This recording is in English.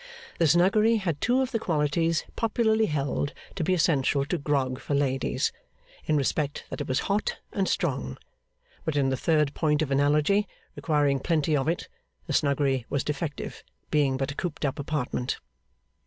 The Snuggery had two of the qualities popularly held to be essential to grog for ladies, in respect that it was hot and strong; but in the third point of analogy, requiring plenty of it, the Snuggery was defective; being but a cooped up apartment.